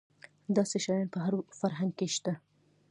داسې شیان په هر فرهنګ کې شته.